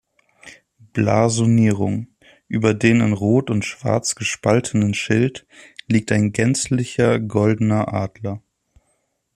Blasonierung: Über den in Rot und Schwarz gespaltenen Schild liegt ein gänzlicher goldener Adler.